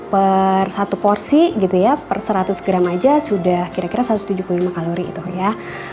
per satu porsi gitu ya per seratus gram aja sudah kira kira satu ratus tujuh puluh lima kalori itu ya